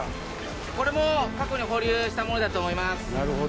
これも過去に放流したものだと思います。